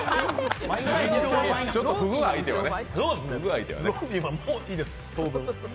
ちょっとふぐ相手はね。